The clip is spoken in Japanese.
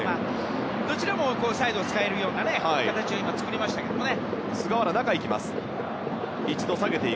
どちらもサイドを使えるような形を作りましたけどね。